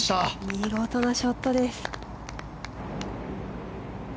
見事なショットです。